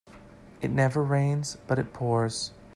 It never rains but it pours.